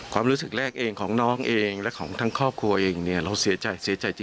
ความรู้สึกแรกของน้องเองและทั้งครอบครัวเองเนี่ยเราเสียใจ